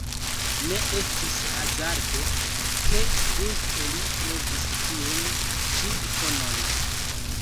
Ne estis hazarde, ke ĝuste li trovis tiun ĉi ikonon.